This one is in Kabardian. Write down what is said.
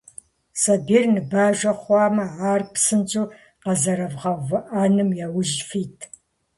Сабийр ныбажэ хъуамэ, ар псынщӀэу къэзэрывгъэувыӀэным яужь фит.